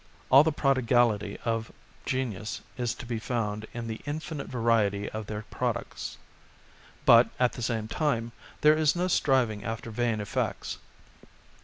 All the prodigality of genius is to be found in the infinite variety of their products ; but, at the same time, there is no striving after vain effects.